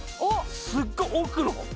すっごい奥のほう